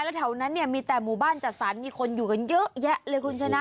แล้วแถวนั้นเนี่ยมีแต่หมู่บ้านจัดสรรมีคนอยู่กันเยอะแยะเลยคุณชนะ